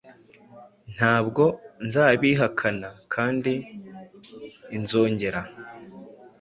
Ntabwo nzabihakana, kandi inzongera